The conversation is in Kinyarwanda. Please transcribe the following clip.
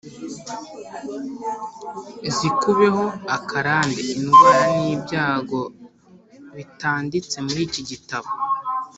zikubeho akarandeindwara n’ibyago bitanditse muri iki gitabo